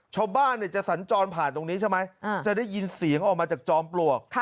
ชาวบ้านจะสัญจรผ่านตรงนี้ใช่ไหมจะได้ยินเสียงออกมาจากจอมปลวก